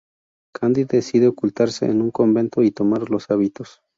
Candy decide ocultarse en un convento y tomar los hábitos.